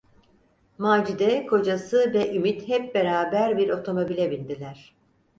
Macide, kocası ve Ümit hep beraber bir otomobile bindiler.